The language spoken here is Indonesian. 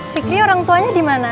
fikri orang tuanya dimana